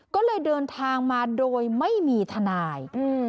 ก็เลยเดินทางมาโดยไม่มีทนายอืม